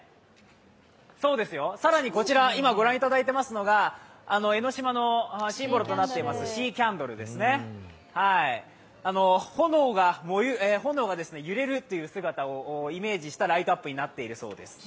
そうですよ、更にこちら、今、ご覧いただいていますのが江の島のシンボルとなっているシーキャンドルですね、炎が揺れるという姿をイメージしたライトアップになっているそうです。